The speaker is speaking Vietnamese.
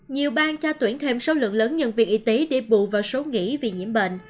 nhiều bang cho tuyển thêm số lượng lớn nhân viên y tế đi bù vào số nghỉ vì nhiễm bệnh